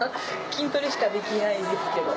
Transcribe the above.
筋トレしかできないですけど。